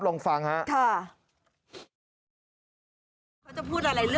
ลองฟังฮะเธอ